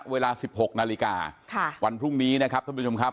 เวลา๑๖นาฬิกาวันพรุ่งนี้นะครับท่านผู้ชมครับ